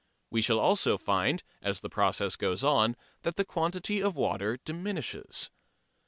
We shall also find, as the process goes on, that the quantity of water diminishes.